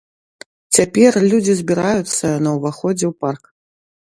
Цяпер людзі збіраюцца на ўваходзе ў парк.